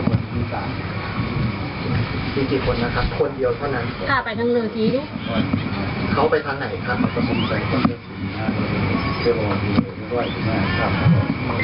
เขาไปทางไหนครับ